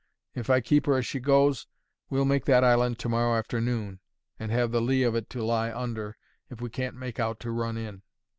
If I keep her as she goes, we'll make that island to morrow afternoon, and have the lee of it to lie under, if we can't make out to run in.